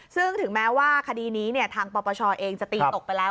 ซึ่งถึงแม้ว่าคดีนี้ทางปปชเองจะตีตกไปแล้ว